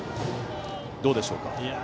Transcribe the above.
どうでしょうか。